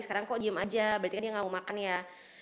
sekarang kok diem aja berarti kan dia nggak mau makan ya